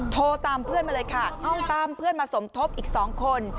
โทรตามเพื่อนมาเลยค่ะตามเพื่อนมาสมทบอีก๒คน